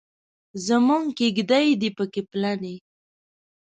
زموږ کیږدۍ دې پکې پلنې.